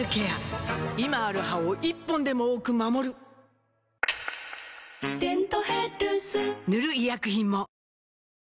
今ある歯を１本でも多く守る「デントヘルス」塗る医薬品も